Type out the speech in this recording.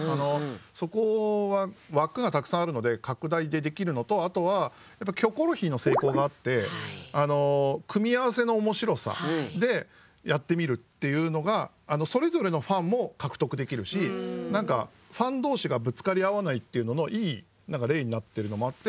そこは枠がたくさんあるので拡大でできるのとあとは「キョコロヒー」の成功があって組み合わせの面白さでやってみるっていうのがそれぞれのファンも獲得できるし何かファン同士がぶつかり合わないっていうののいい例になってるのもあって。